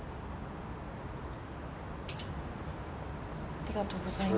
ありがとうございます。